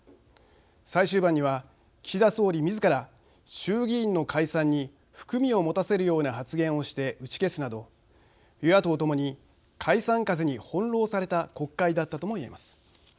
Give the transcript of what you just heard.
最終盤には岸田総理みずから衆議院の解散に含みをもたせるような発言をして打ち消すなど与野党ともに解散風に翻弄された国会だったとも言えます。